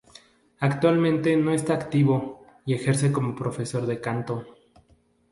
Actualmente no está en activo y ejerce como profesor de canto.